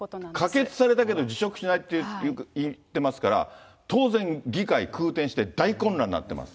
可決されたけど、辞職しないって言ってますから、当然議会、空転して、大混乱になっています。